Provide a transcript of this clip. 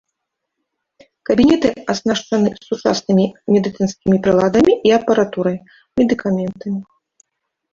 Кабінеты аснашчаны сучаснымі медыцынскімі прыладамі і апаратурай, медыкаментамі.